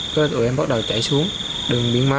cứ tụi em bắt đầu chạy xuống đường biến má